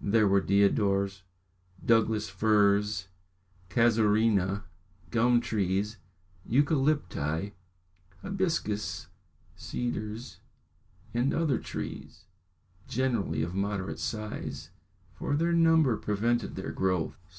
There were deodars, Douglas firs, casuarinas, gum trees, eucalypti, hibiscus, cedars, and other trees, generally of a moderate size, for their number prevented their growth.